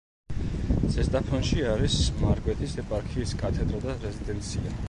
ზესტაფონში არის მარგვეთის ეპარქიის კათედრა და რეზიდენცია.